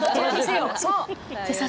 そう！